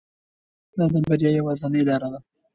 دا د بریا یوازینۍ لاره ده.